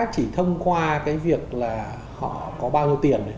chỉ thông qua cái việc là họ có bao nhiêu tiền